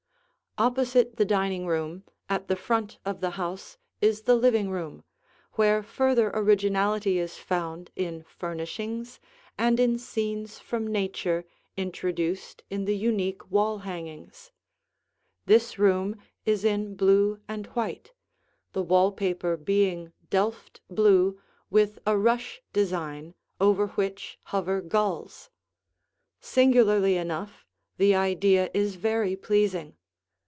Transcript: [Illustration: Two Views of the Living Room] Opposite the dining room at the front of the house is the living room, where further originality is found in furnishings and in scenes from nature introduced in the unique wall hangings. This room is in blue and white, the wall paper being delft blue with a rush design over which hover gulls. Singularly enough, the idea is very pleasing.